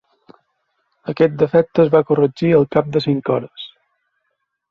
Aquest defecte es va corregir al cap de cinc hores.